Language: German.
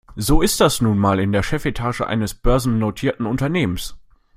So ist das nun mal in der Chefetage eines börsennotierten Unternehmens.